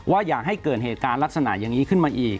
อย่าให้เกิดเหตุการณ์ลักษณะอย่างนี้ขึ้นมาอีก